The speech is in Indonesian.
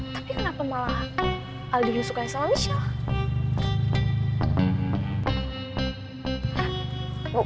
tapi kenapa malah aldo ini suka sama michelle